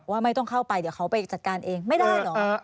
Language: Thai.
ว่าไม่ต้องเข้าไปเดี๋ยวเขาไปจัดการเองไม่ได้เหรอ